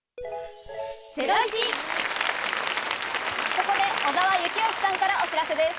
ここで小澤征悦さんからお知らせです。